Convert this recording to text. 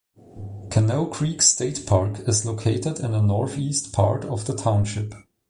Canoe Creek State Park is located in the northeast part of the township.